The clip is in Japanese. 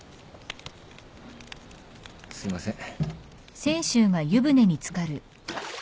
すいません。